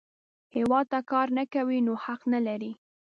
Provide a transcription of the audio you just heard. هیواد ته کار نه کوې، نو حق نه لرې